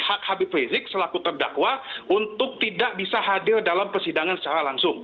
tidak habis prezik selaku terdakwah untuk tidak bisa hadir dalam persidangan secara langsung